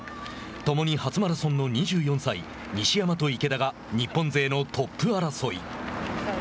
共に初マラソンの２４歳西山と池田が日本勢のトップ争い。